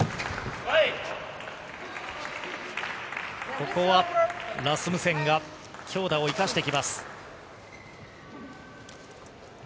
ここはラスムセンが強打を生かしてきます。